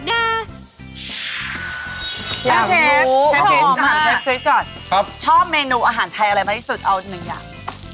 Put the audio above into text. เชฟเชฟถามเชฟคริสก่อนชอบเมนูอาหารไทยอะไรมากที่สุดเอาหนึ่งอย่าง